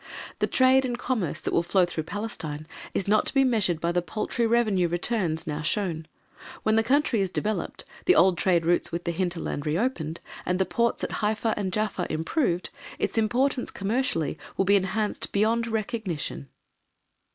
The trade and commerce that will flow through Palestine is not to be measured by the paltry revenue returns now shown. When the country is developed, the old trade routes with the hinterland reopened, and the ports at Haifa and Jaffa improved, its importance, commercially, will be enhanced beyond all recognition.